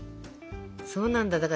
そうなんだ。